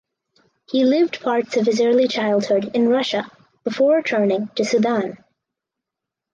He lived parts of his early childhood in Russia before returning to Sudan.